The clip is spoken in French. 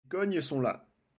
Les cognes sont là.